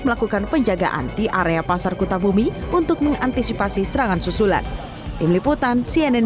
melakukan penjagaan di area pasar kutabumi untuk mengantisipasi serangan susulan tim liputan cnn